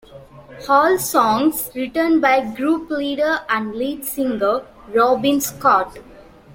All songs written by group leader and lead singer Robin Scott.